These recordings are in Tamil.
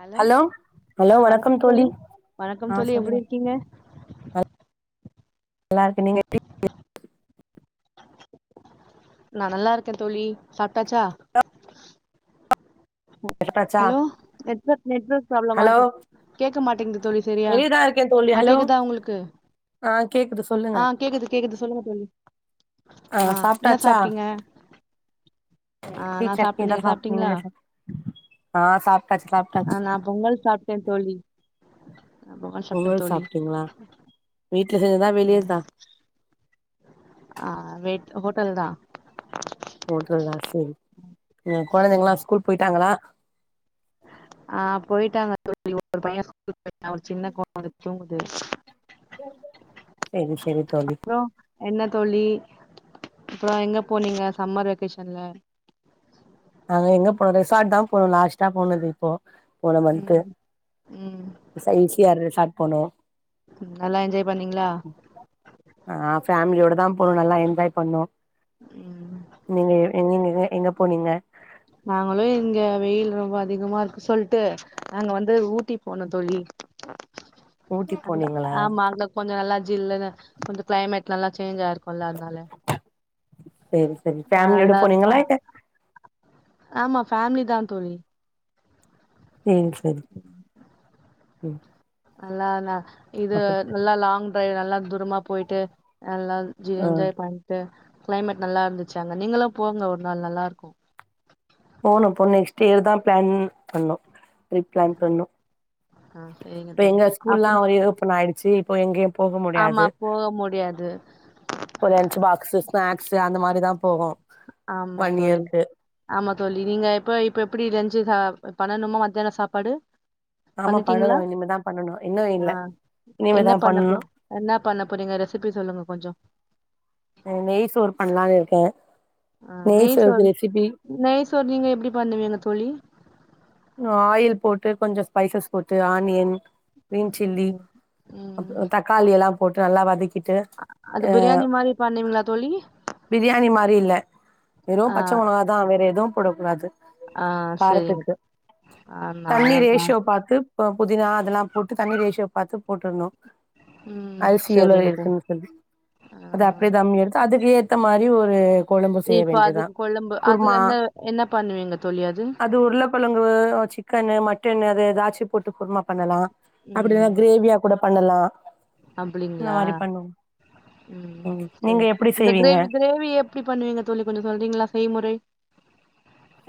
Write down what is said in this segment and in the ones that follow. ஹலோ ஹலோ வணக்கம் தோழி வணக்கம் அ தோழி எப்டி சொல்லுங்க இருக்கீங்க நல்லாருக்கே நீங்க எப்டி நா நல்லாருக்கே தோழி சாப்ட்டாச்சா சாப்டாச்சா ஹலோ நெட்வொர்க் நெட்வொர்க் பிராப்ளமா ஹலோ இருக்கு கேக்க மாட்டேங்குது தோழி சரியா வெளியதா இருக்கே தோழி ஆ ஹலோ கேக்குதா உங்ளுக்கு ஆ கேக்குது சொல்லுங்க ஆ கேக்குது கேக்குது சொல்லுங்க தோழி ஆ அ என்ன சாப்டாச்சா சாப்ட்டீங்க ஆ இட்லி நா சாப்ட்டே சட்னிதா நீங்க சாப்ட்டீங்களா சாப்டிங்கனு சொன் க சாப்ட்டாச்சு ஆ நா பொங்கல் சாப்ட்டே தோழி நான் பொங்கல் சாப்ட்டே அவ்வுள் தோழி சாப்ட்டீங்ளா வீட்ல செஞ்தா ம். வெளியதா ஆ வீட் ஹோட்டல்தா ஹோட்டல்தா செரி கொழந்தைங்ளா ஸ்கூல் பொய்ட்டாங்ளா ஆ பொய்ட்டாங்க தோழி ஒரு பைய ஸ்கூல் பொய்ட்டா ஒரு சின்ன கொழந்த தூங்குது செரி செரி தோழி அப்றோ எண்ண தோழி அப்றோ எங்க போனீங்க சம்மர் வெக்கேஷன்ல நாங்க எங்க போனோ ரிசார்ட் தா போனோ லாஸ்ட்டா போனது இப்போ போன மந்த்து ம் ம் ஈசிஆர் ரெஷார்ட் போனோ நல்லா என்ஜாய் பண்ணீங்ளா ஆ ஃபேமிலியோட தா போனோ நல்லா என்ஜாய் பண்ணோ ம் உம் நீங்கங்க எங்க போனீங்க நாங்களு இங்க வெயில் ரொம்ப அதிகமா இருக்கு சொல்ட்டு நாங்க வந்து ஊட்டி போனோ தோழி ஊட்டி அந்த போனீங்களா ஆமா அங்க கொஞ்சோ நல்லா ஜில்லுன்னு கொஞ்சோ கிளைமேட் நல்லா சேஞ்ச் ஆயிருக்குல்ல அதனால சேரி சரி ஆ ஃபேமிலியோட நல்லா ஃபே போனீங்களா இல்ல ஆமா ஃபேமிலி தா தோழி சேர் சரி உம் நல்லா இது நல்லா லாங் ட்ரைவ் நல்லா தூரமா போயிட்டு நல்லா ஜி ஆ என்ஜாய் பண்ட்டு க்ளைமேட் நல்லா இருந்துச்சு அங்க நீங்களும் போங்க ஒரு நாள் நல்லா இருக்கு போனூ போனூ நெக்ஸ்ட் இயர் தா பிளான் பண்ணூ இயர் பிளான் பண்ணு ஆ சரிங்க இப்ப தோழி எங்க ஸ்கூல்லா அப்புற ரீ ஓப்பன் ஆயிடுச்சு இப்ப எங்கயு போக முடியாது ஆமா போக முடியாது இப்போ லன்ச்சு பாக்ஸு ஸ்நாக்ஸு அந்த மாரிதா போகு ஆமா ஒன் தோழி இயர்க்கு ஆமா தோழி நீங்க எப்ப இப்ப எப்டி லஞ்சு சா பண்ணணுமா மத்தியான சாப்பாடு ஆமா பண்ணணு பண்ணிட்டீங்ளா இனிமேதா பண்ணணு இன்னு இல்ல ஆ என்ன இனிமேதா பண்ண பண்ணணு இப்போ என்னா பண்ண போறீங்க ரெசிபி சொல்லுங்க கொஞ்சோ உம் நெய் சோறு பன்லானு இருக்கே ஆ நெய் சோறுக்கு நெய்சோறு ரெசிபி நெய்சோறு நீங்க எப்டி பண்ணுவீங்க தோழி நா ஆயில் போட்டு கொஞ்சோ ஸ்பைசஸ் போட்டு ஆனியன் கிரீன் சில்லி ம் ம் அப்றோ தக்காளி எல்லா போட்டு நல்லா வதக்கிட்டு அது அ பிரியாணி மாரி பண்ணுவீங்களா தோழி பிரியாணி மாரி இல்ல வெறு ஆ பச்ச மொளகா தா வேற எதுவு போடக்கூடாது ஆ சரிங் காரத்துக்கு தண்ணி ரேஷியோ பாத்து புதினா அதெல்லா போட்டு தண்ணி ரேஷியோ பாத்து போட்ருந்தோ ம் ஐ சி யோ ல சரிங்க தோழி இருக்குன்னு சொல்லி ஆ அது அப்டியே தம் ல இருக்கு அதுக்கு ஏத்த மாரி ஒரு கொழம்பு நீ செய்ய இப்போ வேண்டியதா அதுக்கு கொழம்பு அது குருமா என்ன என்ன பண்ணுவீங்க தோழி அது அது உருள கெழங் உ சிக்கனு மட்டனு அது ஏதாச்சு போட்டு குருமா பண்ணலா அப்டி இல்லனா கிரேவியா கூட பண்ணலா இந்த அப்டிங்களா மாரி பண்ணுவோ உம் ம் சேர் நீங்க எப்டி இந்த செய்வீங்க கிரேவி கிரேவி எப் எப்டி பண்ணுவீங்க தோழி கொஞ்சோ சொல்றீங்ளா செய்முறை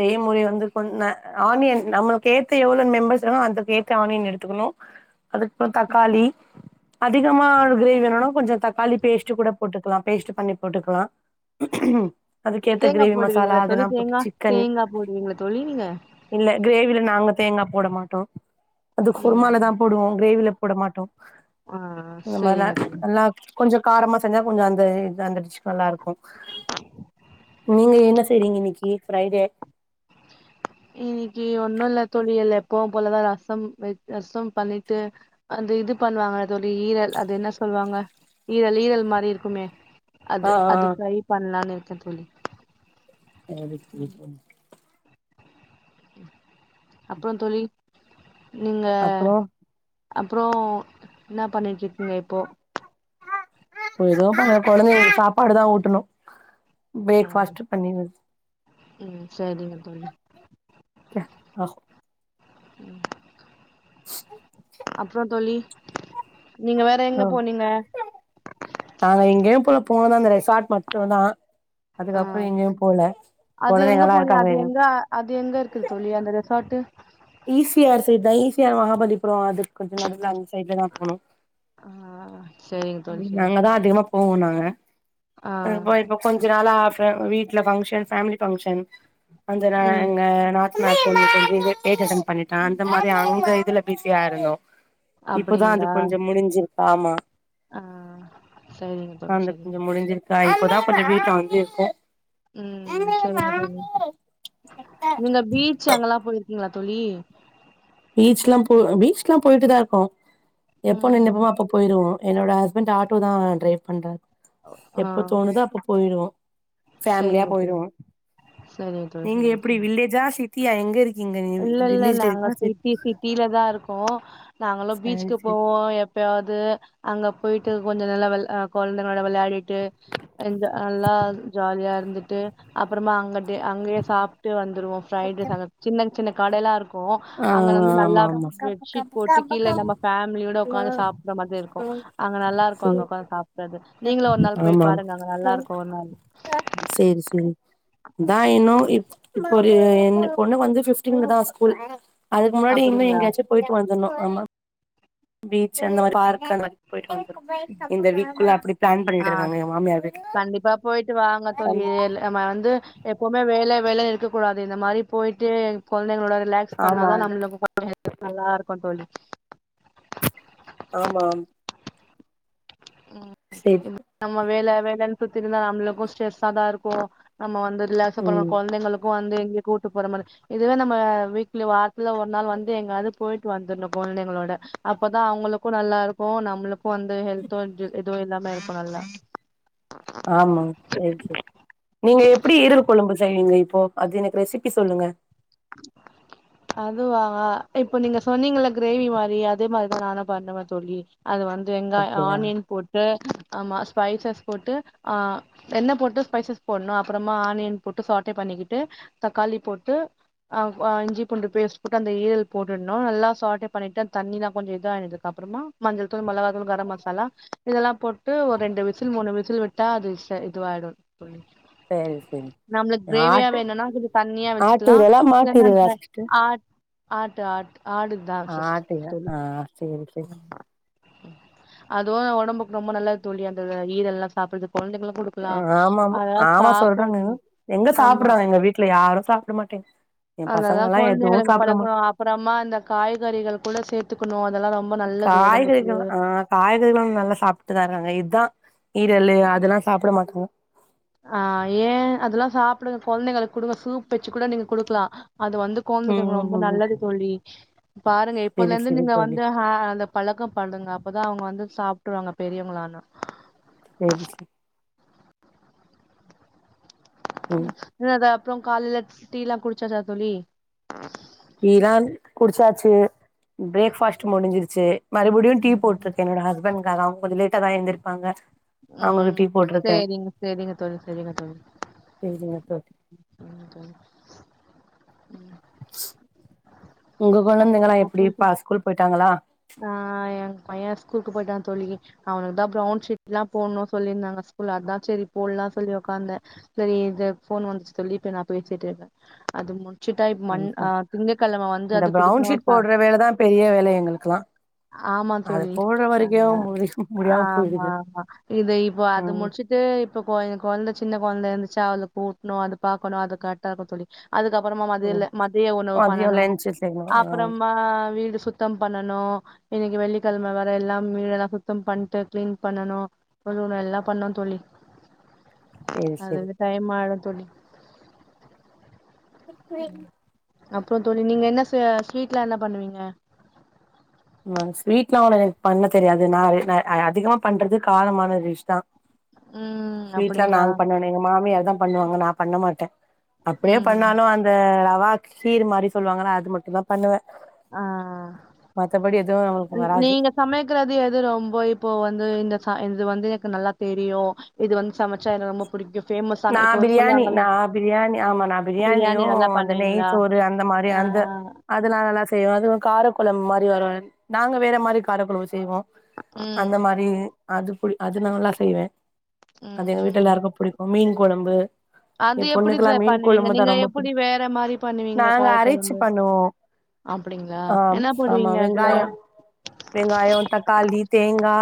செய்முறை வந்து கொஞ் அ ஆனியன் நம்மளுக்கு ஏத்த எவ்ளவு மெம்பர்ஸ் வரு அதுக்கேத்த ஆனியன் எடுத்துக்கணு அதுக்கப்புறோ தக்காளி அதிகமா கிரேவி வேணுனா கொஞ்சோ தக்காளி பேஸ்ட் கூட போட்டுக்கலா பேஸ்ட் பண்ணி போட்டுக்கலா அதுக்கேத்த தேங்கா கிரேவி மசாலா போடுவீங்களா தோழி அதெல்லா தேங்கா போட்டுச்சு தேங்கா போடுவீங்ல தோழி நீங்க இல்ல கிரேவில நாங்க தேங்கா போட மாட்டோ அது குருமால ம் தா போடுவோ கிரேவில போட மாட்டோ ஆ இந்த மாரி தா சரிங்க தோழி என்ன கொஞ்ச காரமா செஞ்சா கொஞ்ச அந்த இதாந்துருச்சி நல்லாருக்கு நீங்க என்ன செய்றீங்க இன்னைக்கு ஃப்ரைடே இன்னிக்கு ஒன்னு இல்ல தோழி எல் எப்பவு போலதா ரசம் க் ரசம் பண்ணிட்டு அந்த இது பண்ணுவாங்க தோழி ஈரல் அது என்ன சொல்லுவாங்க ஈரல் ஈரல் மாரி இருக்குமே ஆ அது அது ஆ ஃப்ரை பண்ணலான்னு இருக்க தோழி [unintelligible] ம் அப்றோ தோழி நீங்க அப்றோ அப்றோ இன்னா பண்ணிட்ருக்கீங்க இப்போ எதவு பண்ணல குழந்தைகளுக்கு சாப்பாடு தா ஊட்டணு ஆ பிரேக்ஃபாஸ்ட் பண்ணி ம் சரிங்க தோழி க்யா ஆ ம் அப்றோ தோழி நீங்க வேற எங்க ஆ போனீங்க நாங்க எங்கேயு போல போனது அந்த ரெசார்ட் மட்டோந்தா ஆ அதுக்கப்றோ எங்கயு போல அது எங்க குழந்தைங்கல்லா போனி அது இருக்காங்கன் எங்க அது எங்க இருக்குது தோழி அந்த resort E C R side தா ஈ சி ஆர் மகாபல்லிபுறோ அதுக்கு கொஞ்ச நடுவுல அந்த சைட்ல தா போனோ ஆ செரிங்க தோழி ம் செரிங்க நாங்கதா தோழி அதிகமா போவோ நாங்க ஆ அதுக்கு போயிருப்போ கொஞ்ச நாளா ஆஃப்ல வீட்ல பங்க்ஷன் ஃபேமிலி பங்க்ஷன் கொஞ்ச நாளா ம் எங்க நாத் [unintelligible] ஏஜ் பண்ணிட்டா அந்த மாரி அங்க இதுல பிஸியா இருந்தோ இப்தா அது அப்டிங்களா கொஞ்ச முடிஞ்சிருக்கு ஆமா ஆ செரிங்க தோழி அந்த கொஞ்ச செரிங்க முடிஞ்சிருக்க இப்போதா கொஞ்ச வீட்ல வந்து இருக்கோ ம் சரிங்க தோழி நீங்க பீச் அங்கல்லா போயிருக்கீங்களா தோழி பீச்லா போ பீச் எல்லா போயிட்டுதா இருக்கோ எப்போ ம் நெனப்பமோ அப்ப போயிருவோ என்னோட ஹஸ்பண்ட் ஆட்டோ தா டிரைவர் பண்றாரு ஆ எப்போ தோணுதோ அப்ப போயிடுவோ ஃபேமிலியா செரிங்க தோழி போயிருவோ செரிங்க தோழி நீங்க செரிங்க எப்டி தோழி வில்லேஜா சிட் தீயா எங்க இருக்கீங்க நீ வில்லேஜ்ல இருக்கீங்களா சிட் கீழ தா இருக்கோ நாங்களு சரி பீச்சிக்கு சரி போவோ எப் எப்பயாவது அங்க போயிட்டு கொஞ்ச நல்லா வெள் ஆ குழந்தைங்களோட விளையாடிட்டு அங்க நல்லா ஜாலியா இருந்துட்டு அப்புறமா அங்கன் டி அங்கயே சாப்ட்டு வந்துருவோ பிரைட் ரைஸ் அங்க சின்ன சின்ன கடெல்லா இருக் கு ஆ அங்க வந்து நல்லா ஆமா ஆமா பெட்ஷீட் போட்டு கீழ நம்ம ஃபேமிலியோட உக்காந்து சாப்பிற மாதிரி இருக்கு அங்க நல்லாருக்கு அங்க சேரி உக்காந்து சாப்பிட்றது நீங்களு ஒரு நாள் போய் பாருங்க அங்க நல்லா இருக்கு ஒரு நாளு ம் செரி செரி இதா இன்னு இப் இப்போரு என் பொண்ணுக்கு வந்து பிஃப்டீனுக்கு தா ஸ்கூல் அதுக்கு முன்னாடி இன்னு அப்டிங்களா எங்கயாச்சு போயிட்டு வந்தர்னு ஆமா பீச் அந்த மாரி பார்க் அந்த மாரி போயிட்டு வந்து இந்த வீக்குள்ள அப்டி பிளான் ஆ பண்ணிட்ருக்காங்க எங்க மாமியார் வீட்டுல போயிட்டு வா தோழியள் நாம வந்து எப்பவுமே வேல வேல இருக்க கூடாது இந்த மாதிரி போயிட்டு குழந்தைங்களோட ரிலாக்ஸ் ஆமா பண்ணாதா நம்மளுக்கு கொஞ்ச நல்லா இருக்கு தோழி ஆமாம் சேரி ம் நம்ம வேல வேலன்னு சுத்திட்ருந்தா நம்மளுக்கு ஸ்ட்ரெஸ்ஸா தா இருக்கு நம்ம வந்து இல்ல [unintelligible] ம் கொழந்தைகளுக்கு வந்து கூட்டு போற மாரி இதுவே நம்ம வீக்ல வாரத்துல ஒரு நாள் வந்து எங்காவது போயிட்டு வந்துருணு கொழந்தைங்களோட அப்பதா அவங்களுக்கு நல்லா இருக்கு நம்மளுக்கு வந்த ஹெல்த்து இதுவு இல்லாமே இருக்கு நல்லா ஆமா செரி செரி நீங்க எப்டி ஈரல் கொழும்பு செய்யவீங்க இப்போ அது எனக்கு ரெசிபி சொல்லுங்க அதுவா இப்ப நீங்க சொன்னீங்கல்ல கிரேவி மாரி அதே மாரிதா நானு பண்ணுவே தோழி அது வந்து வெங்காய அப்டியா ஆனியன் போட்டு ஆமா ஸ்பைசஸ் போட்டு ஆ எண்ண போட்டு ஸ்பைசஸ் போடணு அப்றமா ஆனியன் போட்டு சாட்டே பண்ணிக்கிட்டு தக்காளி போட்டு ஆ இஞ்சிபூண்டு பேஸ்ட் போட்டு அந்த ஈரல் போட்டுணு நல்லா சாடே பண்ணிட்டு அந்த தண்ணி எல்லா கொஞ்ச இதாயிதுக்கப்புறமா மஞ்சள் தூள் மளகா தூள் கர மசாலா இதல்லா போட் விட்டு ஒரு ரெண்டு விசில் மூணு விசில் விட்டா அது ச இதுவாயிடு சேரி சேரி நம்மளுக்கு கிரேவியா ஆட்டு வேணும்னா கொஞ்ச தண்ணியா ஆட்டு வச்சுக்கலா ஈரலா மாட்டு ஈரலா என்ன சிஸ்டர் ஆ ஆட்டு ஆட்டு ஆடுதா சிஸ்ட் ஆட்டு ஈரல் தோழி ஆ சேரி சேரி ம் அதுவு உடம்புக்கு ரொம்ப நல்லது தோழி அந்த ஈரல்லா சாப்ட்றது கொழந்தைங்களு ஆமாமா ஆமா சொல்றாங்க எங்க ஆமா சாப்ட்றாங்க வீட்ல யாரு சாப்ட மாட்டே ஏ பசங்கல்லா எதுவு சாப்ட மாட்டா அப்றம இந்த காய்கறிகள் கூட சேத்துக்கணு அதெல்லா ரொம்ப நல்லது ஒடம்புக்கு காய்கறிகள் ஆ காய்கறிகள் நல்லா சாப்ட்டுதா இதா ஈரல் அதெல்லா சாப்ட மாட்டங்க அ ஏ அதெல்லா சாப்டுங்க கொழந்தைங்களுக்கு குடுங்க சூப் வெச்சு கூட நீங்க குடுக்கலா அது வந்து கொழந்தைகளுக்கு ரொம்ப ம் நல்லது தோழி பாருங்க செரி இப்பலந்து செரி நீங்க தோழி வந்து ஹ அந்த பழக்கோ பண்ணுங்க அப்பதா அவுங்க வந்து சாப்டுவாங்க பெரியவங்களானா செரி செர் ம் இன்னது அப்றோ காலில டீலா குடிச்சதா தோழி டீல்லா குடிச்சாச்சு பிரேக்ஃபாஸ்ட் முடிஞ்சிச்சு மறுபடியோ டீ ம் போட்டிருக்கு என்னோட ஹஸ்பண்ட்க்காக அவுங்க கொஞ்ச லேட்டா தா எந்திரிப்பாங்க அவங்களுக்கு ம் டீ போட்ருக்கே சேரிங் செரிங்க தோழி செரிங்க தோழி சேரிங்க தோழி ம் ம் உங்க கொழந்தைங்களா அப்புறம் எப்டிப்பா ஸ்கூல் போயிட்டாங்களா எ பைய ஸ்கூலுக்கு போயிட்டா தோழி அவனுக்கு தா ப்ரவுன் ஷீட்ல்லா போட்னோ சொல்லிந்தாங்க ஸ்கூல்ல அதா சேரி போட்ல்லா சொல்லி ஒக்காந்த சரி இத ஃபோன் வந்துச்சு சொல்லி இப்ப நா பேசிட்டு இருக்க அது மு ச்சிட்டா இப்ப மன் அ திங்கக்கெழம வந்து இந்த அது ப்ரௌன் குடுக்கணு ஷீட் சா போட்ற வேலதா பெரிய வேல எங்களுக்குல்லா ஆமா அத தோழி போட்ற வரைக்கு ஆமா முடி முடியாம ஆமா போயிடுது ஆமா இத இப்போ அத ம் முடிச்சு ட்டு இப்போ கொழந்த சின்ன கொழந்த இந்துச்சா அவளுக்கு ஊட்னோ அது பாக்கனு அது காட் டா தோழி அதுக்கப்றமா ம் மதியி மதிய உணவு மதியோ பண்ணனோ லன்ச்சு செய்யணு ஆ அப்றமா வீடு சுத் தம் பண்ணணோ இன்னைக்கு வெள்ளிக்கெழம வேற எல்லா வீடெல்லா சுத்தம் பண்ட்டு கிளீன் பண்ணணோ ஒன்னொன்னா எல்லா பண்ணோந் தோழி சேரி சேரி அதுஅது டைம் ஆயிடோ தோழி அப்றோ தோழி நீங்க என்ன ஸ் ஸ்வீட்லா என்ன பண்வீங்க வன் ஸ்வீட்லா அவ்ள எனக்கு பண்ண தெரியாது நா அ அதிகமா பண்றது காரமான டிஷ் தா ம். ஸ்வீட்லா அப்படிங்களா? நாங் பண்ண வேணா எங்க மாமியார் தா பண்ணுவாங்க நா பண்ண மாட்ட அப்பிடியே ம். பண்ணாலு அந்த ரவா கீர் மாரி சொல்லுவாங்கள அது மட்டுந் தா பண்ணுவ ஆ மத்தப்படி எதுவு நம்மளுக்கு ந- வராது நீங்க சமைக்கிறது எது ரொம்போ இப்போ வந்து இந்த ச இது வந்து எனக்கு நல்லா தெரியு இது வந்து சமச்சா எனக்கு ரொம்ப புடிக்கூ நா பிரியாணி நா பிரியாணி ஆமா நா பிரியாணி பிரியாணியோ நல்லா அந்த நெய் பண்ணுவீங்களா சோறு அந்த மாரி ஆ வந் து அதெல்லா நல்லா செய்வ அதுவு காரக்கொழம்பு மாரி வரோ நாங்க வேற மாரி காரக்கொழம்பு செய்வோ ம் அந்த மாரி அது புடி அது நல்லா செய்வ அது எங்க வீட்ட ம் எல்லாருக்கோ புடிக் கோ மீன் கொழம்பு அது என் எப்படி பொண்ணுக்குல்லா சார் மீன் பண்ணுவீங்க கொழும்புதா நீங்க ரொம்ப புடி எப்படி வேற மாரி பண்ணுவீங்க நாங்க கார அரைச்சி கொழம்பு பண்ணுவோ அப்டிங்களா அ ஆம் என்ன ஆமா போடுவீங்க அதுல வெங்காயம் வெங்காயோ தக்காளி தேங்கா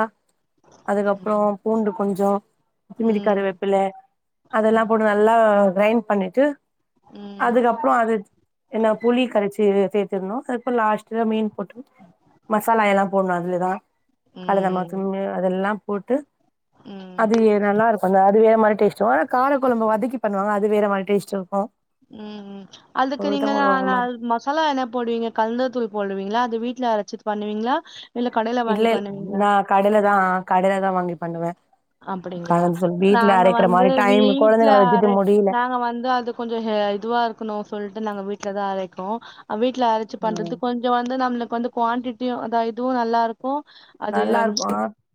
அதுக்கப்றோ ம் பூண்டு கொஞ்சோ கொத்தமல்லி ம் கருவேப்பிள்ள அதெல்லா போட்டு நல்லா கிரைண் பண்ணிட்டு ம் அதுக்கப் அப்றோ அது என்ன புளி கரச்சு சேத்திருன்னோ அதுக்கப்றோ லாஸ்ட்ல மீன் போட்டு மசாலா எல்லா போண்ணோ அதுலதா கலந்த ம் [unintelligible] அதெல்லாம் போட்டு ம் அது நல்லா இருக்கோ அந்த அது வேற மாரி டேஸ்ட் சோள கார கொழம்ப வதக்கி பண்ணுவாங்க அது வேற மாரி டேஸ்ட் இருக்கூ ம் ம் அதுக்கு நீங்க நா மாரி மஸ் சாலா என்ன போடுவீங்க கலந்த தூள் போடுவீங்ளா அது வீட்ல அரச்சி பண்ணுவீங்ளா இல்ல கடையில வாங்கி பண்ணுவீங்ளா கடைல தா கடையில தா வாங்கி பண்ணுவ அப்படிங்ளா நாங்க வந்து மாரி டைம் வீட்ல கொழந்தைங்கள வச்சுட்டு அரை முடியல நாங்க வந்து அது கொஞ்சோ ஹெ இதுவா இருக்கனோ சொல்ட்டு நாங்க வீட்ல தா அரைக்கோ வீட்ல அரச்சி ம் பண்றது கொஞ் சோ வந்து நம்மளுக்கு வந்து குவான்டிட்டியோ அதா இதுவோ நல்லா இருக்கோ நல்லா இருக்கோ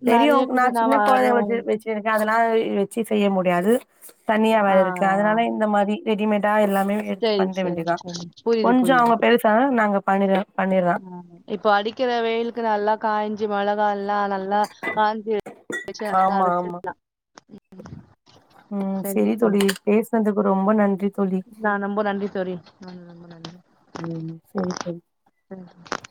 தெரியு நா சின்ன வரு கொழந்தைகள வச்சி வெச்சி ருக்கே அதனால வச்சி செய்ய முடியாது தனியாவேர ஆ இருக்க அதனால இந்த மாரி ரெடிமேடா எல்லா மே எடுத்து செரி பண்ணரித செரி வேண்டியதா செரி புரியுது கொஞ்சோ அவுங்க புரியுது பெருசா நாங்க பண்ண பண்ணிலா ஆ இப்போ அடிக்கிற வெயிலுக்கு நல்லா காய்ஞ் ஞ்சி மெளகா எல்லா நல்லா காஞ்சி [inaudible] ச்சி நல்லா ஆமா ஆமா அரச்சில்லா ம் செரி தோழி பேசினதுக்கு ரொம்ப நன்றி தோழி நா நொம்ப நன்றி தோழி நா ரொம்ப நன்றி ம் செரி தோழி தோழி